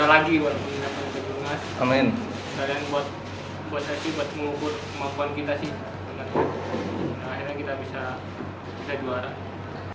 dan buat kemampuan kita sih akhirnya kita bisa juara